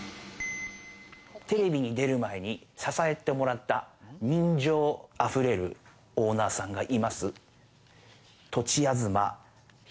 テレビに出る前に支えてもらった人情あふれるオーナーさんがいます。